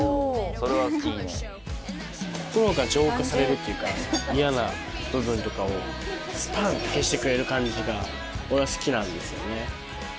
心が浄化されるっていうか嫌な部分とかをスパン！って消してくれる感じが俺は好きなんですよね。